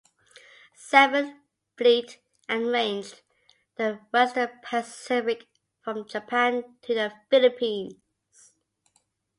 Seventh Fleet, and ranged the western Pacific from Japan to the Philippines.